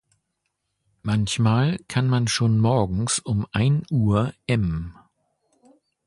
Manchmal kann man schon morgens um ein Uhr M